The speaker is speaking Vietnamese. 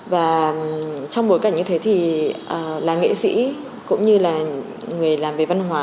và trong bối cảnh như thế thì là nghệ sĩ cũng như là người làm về văn hóa